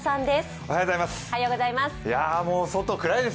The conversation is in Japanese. おはようございます。